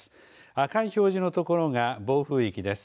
赤い表示のところが暴風域です。